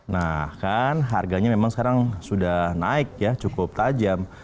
nah kan harganya memang sekarang sudah naik ya cukup tajam